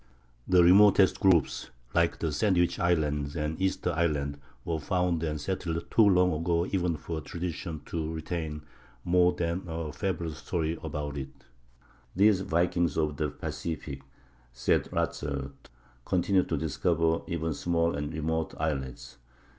The remotest groups, like the Sandwich Islands and Easter Island, were found and settled too long ago even for tradition to retain more than a fabulous story about it. "These Vikings of the Pacific," says Ratzel, "continued to discover even small and remote islets.